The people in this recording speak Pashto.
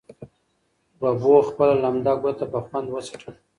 ببو خپله لمده ګوته په خوند وڅټله.